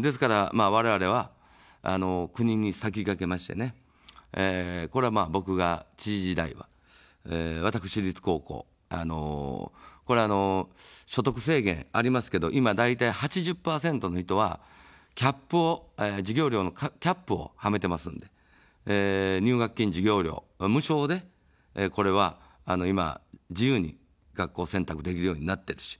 ですから、われわれは国に先駆けましてね、これは僕が知事時代は、私立高校、これは所得制限ありますけど、今大体８０％の人は、授業料のキャップをはめてますので、入学金、授業料無償でこれは今、自由に学校選択できるようになってるし。